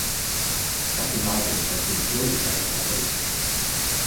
Watanabe has been promoted as follows.